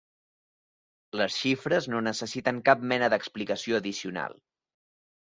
Les xifres no necessiten cap mena d’explicació addicional.